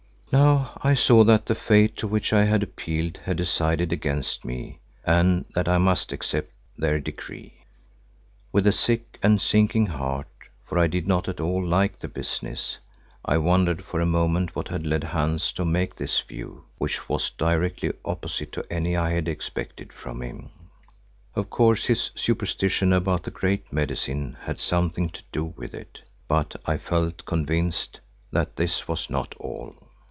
Now I saw that the Fates to which I had appealed had decided against me and that I must accept their decree. With a sick and sinking heart—for I did not at all like the business—I wondered for a moment what had led Hans to take this view, which was directly opposite to any I had expected from him. Of course his superstition about the Great Medicine had something to do with it, but I felt convinced that this was not all.